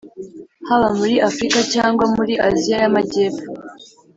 haba muri afurika cyangwa muri aziya y'amajyepfo